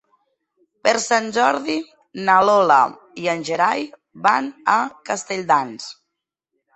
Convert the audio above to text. Per Sant Jordi na Lola i en Gerai van a Castelldans.